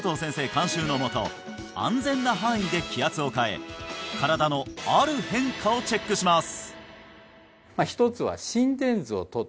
監修のもと安全な範囲で気圧を変え身体のある変化をチェックします